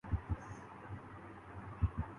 ان کا سودا؟